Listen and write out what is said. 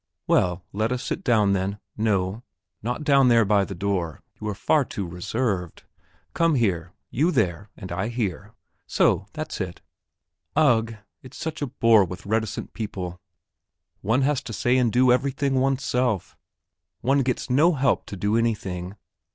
"Well, let us sit down, then; no, not down there by the door; you are far too reserved! Come here you there, and I here so, that's it ... ugh, it's such a bore with reticent people! One has to say and do everything oneself; one gets no help to do anything.